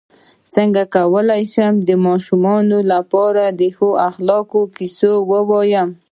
څنګه کولی شم د ماشومانو لپاره د ښو اخلاقو کیسې ووایم